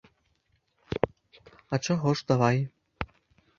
А чаго ж, давай.